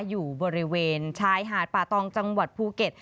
อยู่บริเวณชายหาดป่าตองจังหวัดภูเก็ต